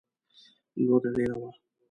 لوږه ډېره وه.